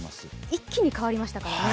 一気に変わりましたからね。